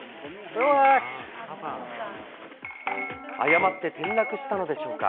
誤って転落したのでしょうか？